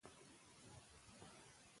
د مور مینه او پالنه کورنۍ ته خوشحالي ورکوي.